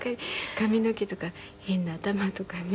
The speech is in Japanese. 髪の毛とか「変な頭」とかね